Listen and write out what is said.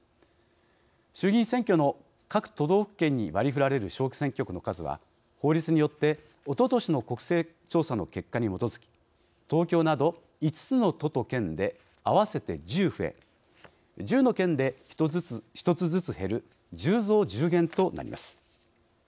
衆議院選挙の各都道府県に割りふられる小選挙区の数は法律によっておととしの国勢調査の結果に基づき東京など５つの都と県で合わせて１０増え１０の県で１つずつ減る１０増１０減となります。